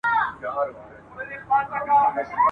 لکه نکل د ماشومي شپې په زړه کي ..